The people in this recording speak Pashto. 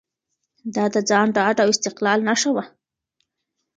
دا د ځان ډاډ او استقلال نښه وه.